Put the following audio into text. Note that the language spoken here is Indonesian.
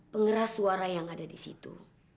pengeras suara yang ada disitu